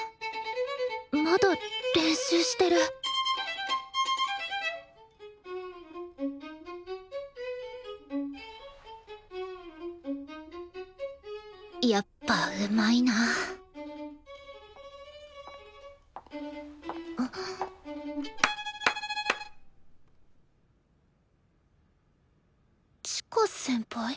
まだ練習してるやっぱうまいな千佳先輩？